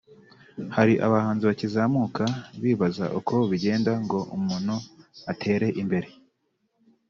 Hari abahanzi bakizamuka bibaza uko bigenda ngo umuntu atere imbere